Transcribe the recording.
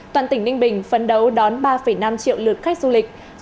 toàn tỉnh ninh bình phấn đấu đón ba năm triệu lượt khách du lịch